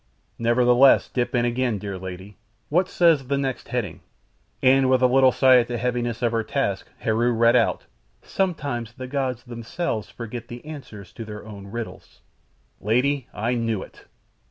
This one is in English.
"Nevertheless, dip in again, dear lady. What says the next heading?" And with a little sigh at the heaviness of her task, Heru read out: "SOMETIMES THE GODS THEMSELVES FORGET THE ANSWERS TO THEIR OWN RIDDLES." "Lady, I knew it!